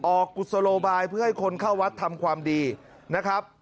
กุศโลบายเพื่อให้คนเข้าวัดทำความดีนะครับ